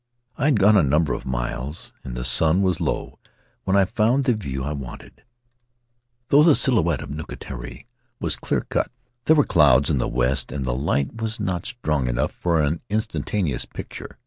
I had gone a number of Faery Lands of the South Seas miles and the sun was low when I found the view I wanted; though the silhouette of Nukutere was clear cut, there were clouds in the west and the light was not strong enough for an instantaneous picture.